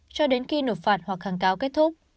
cho đến khi nộp phạt hoặc kháng cáo kết thúc